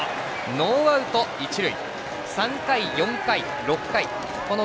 ノーアウト、一塁。